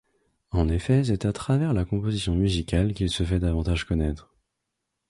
En effet c'est à travers la composition musicale qu'il se fait davantage connaître.